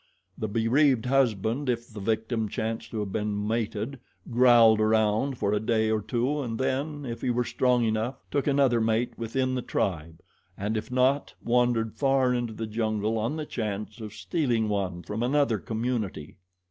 The bereaved husband, if the victim chanced to have been mated, growled around for a day or two and then, if he were strong enough, took another mate within the tribe, and if not, wandered far into the jungle on the chance of stealing one from another community.